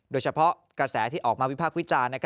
โดยเฉพาะกระแสที่ออกมาวิพากษ์วิจารณ์